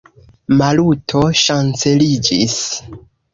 Maluto ŝanceliĝis.